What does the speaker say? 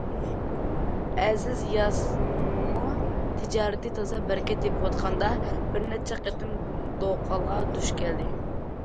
ئەزىز ياسىنمۇ تىجارىتى تازا بەرىكەت تېپىۋاتقاندا بىر نەچچە قېتىم دوقالغا دۇچ كەلدى.